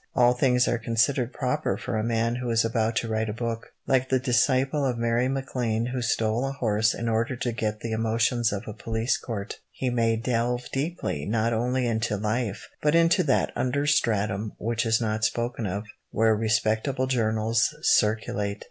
All things are considered proper for a man who is about to write a book. Like the disciple of Mary McLane who stole a horse in order to get the emotions of a police court, he may delve deeply not only into life, but into that under stratum which is not spoken of, where respectable journals circulate.